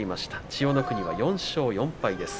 千代の国は４勝４敗です。